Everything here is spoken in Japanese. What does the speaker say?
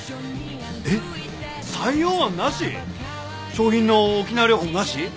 賞品の沖縄旅行もなし？